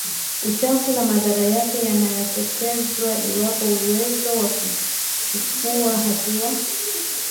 uchafuzi na madhara yanayotokezwaIwapo uwezo wa kuchukua hatua